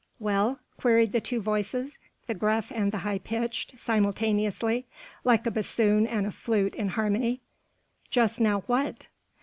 "Well?" queried the two voices the gruff and the high pitched simultaneously, like a bassoon and a flute in harmony, "just now what?"